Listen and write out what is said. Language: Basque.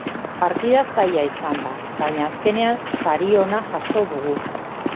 Partida zaila izan da, baina azkenean sari ona jaso dugu.